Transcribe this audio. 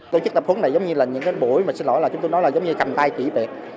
tổ chức tập huấn này giống như là những cái buổi mà chúng tôi nói là giống như cầm tay kỹ biệt